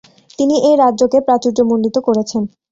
তিনি এই রাজ্যকে প্রাচূর্য্যমণ্ডিত করেছেন।